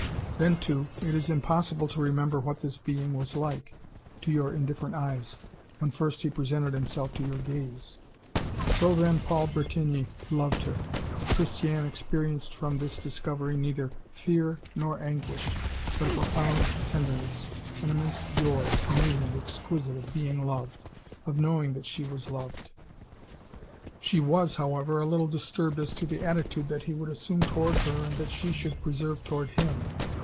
Then, too, it is impossible to remember what this being was like to your indifferent eyes when first he presented himself to your gaze. So then Paul Bretigny loved her! Christiane experienced from this discovery neither fear nor anguish, but a profound tenderness, an immense joy, new and exquisite, of being loved of knowing that she was loved. She was, however, a little disturbed as to the attitude that he would assume toward her and that she should preserve toward him.